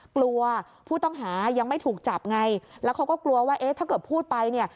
กลัวผู้ต้องหายังไม่ถูกจับไงแล้วเขาก็กลัวว่าเอ๊ะถ้าเกิดพูดไปเนี่ย